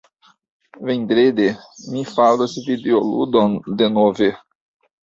Vendrede... mi faros videoludon, denove.